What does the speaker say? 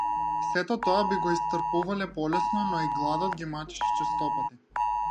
Сето тоа би го истрпувале полесно, но и гладот ги мачеше честопати.